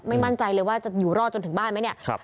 มั่นใจเลยว่าจะอยู่รอดจนถึงบ้านไหมเนี่ย